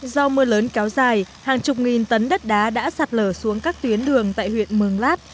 do mưa lớn kéo dài hàng chục nghìn tấn đất đá đã sạt lở xuống các tuyến đường tại huyện mường lát